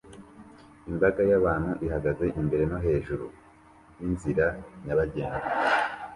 Imbaga y'abantu ihagaze imbere no hejuru yinzira nyabagendwa